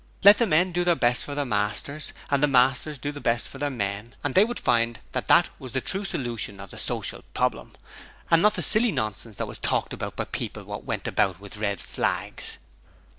Let the men do their best for their masters, and the masters do their best for their men, and they would find that that was the true solution of the social problem, and not the silly nonsense that was talked by people what went about with red flags.